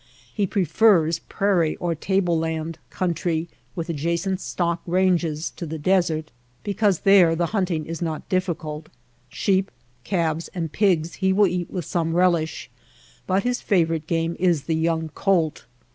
He prefers prairie or table land country, with adjacent stock ranges, to the desert, because there the hunting is not difficult. Sheep, calves, and pigs he will eat with some relish, but his favorite game is the young colt.